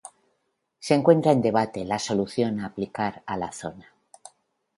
Se encuentra en debate la solución a aplicar a la zona.